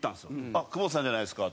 「あっ久保田さんじゃないですか」